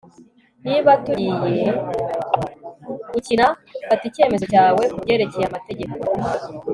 niba tugiye gukina, fata icyemezo cyawe kubyerekeye amategeko